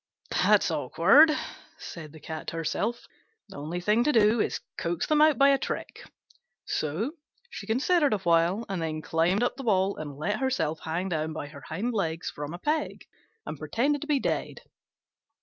"That's awkward," said the Cat to herself: "the only thing to do is to coax them out by a trick." So she considered a while, and then climbed up the wall and let herself hang down by her hind legs from a peg, and pretended to be dead.